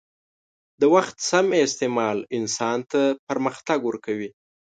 د وخت سم استعمال انسان ته پرمختګ ورکوي.